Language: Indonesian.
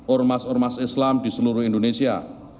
ormas ormas islam di seluruh indonesia